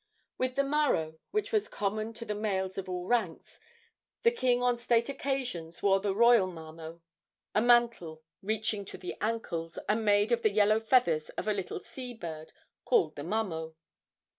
With the maro, which was common to the males of all ranks, the king on state occasions wore the royal mamo, a mantle reaching to the ankles, and made of the yellow feathers of a little sea bird called the mamo.